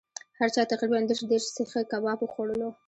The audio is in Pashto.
هر چا تقریبأ دېرش دېرش سیخه کباب وخوړلو.